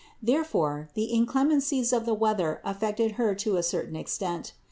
Therefore the inclemencies of the weather affected Her to a certain extent.